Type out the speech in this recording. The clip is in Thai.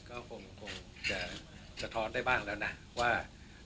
ก็คงจะสะท้อนได้บ้างแล้วนะว่า